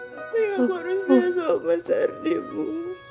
saya gak harus biasa sama sardi ibu